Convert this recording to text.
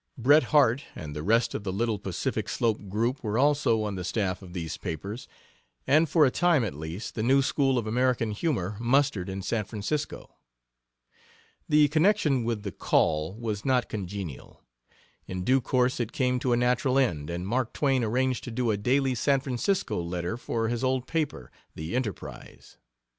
Bret Harte and the rest of the little Pacific slope group were also on the staff of these papers, and for a time, at least, the new school of American humor mustered in San Francisco. The connection with the Call was not congenial. In due course it came to a natural end, and Mark Twain arranged to do a daily San Francisco letter for his old paper, the Enterprise.